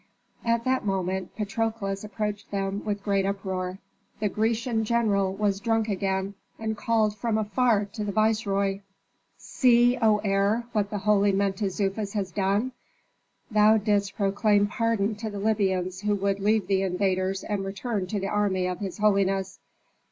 At that moment Patrokles approached them with great uproar. The Grecian general was drunk again and called from afar to the viceroy, "See, O heir, what the holy Mentezufis has done. Thou didst proclaim pardon to the Libyans who would leave the invaders and return to the army of his holiness.